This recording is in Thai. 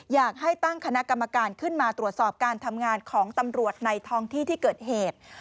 อยากให้ตั้งคณะกรรมการขึ้นมาตรวจสอบการทำงานของตำรวจในท้องที่ที่เกิดเหตุ